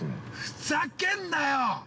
◆ふざけんなよ。